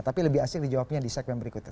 tapi lebih asik dijawabnya di segmen berikutnya